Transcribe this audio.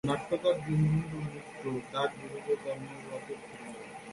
নাট্যকার দীনবন্ধু মিত্র ডাক বিভাগের কর্মকর্তা ছিলেন।